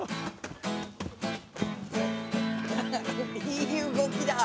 いい動きだ。